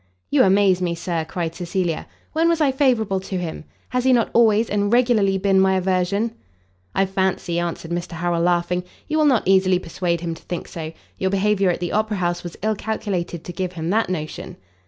"You amaze me, Sir!" cried Cecilia: "when was I favourable to him? Has he not always and regularly been my aversion?" "I fancy," answered Mr Harrel, laughing, "you will not easily persuade him to think so; your behaviour at the Opera house was ill calculated to give him that notion."